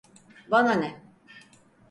Bana ne!